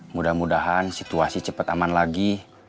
mudah mudahan situasi cepat aman lagi